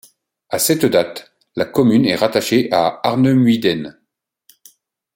À cette date, la commune est rattachée à Arnemuiden.